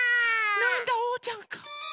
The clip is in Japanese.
なんだおうちゃんか。